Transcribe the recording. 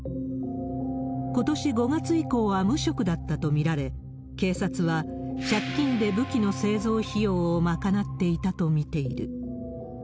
ことし５月以降は無職だったと見られ、警察は、借金で武器の製造費用を賄っていたと見ている。